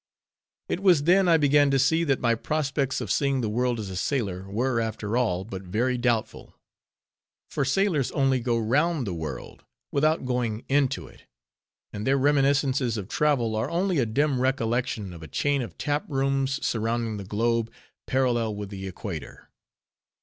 It was then, I began to see, that my prospects of seeing the world as a sailor were, after all, but very doubtful; for sailors only go round the world, without going into it; and their reminiscences of travel are only a dim recollection of a chain of tap rooms surrounding the globe, parallel with the Equator.